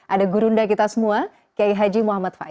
ada gurunda kita semua kiai haji muhammad faiz